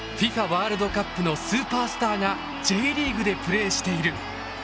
ワールドカップのスーパースターがＪリーグでプレーしている。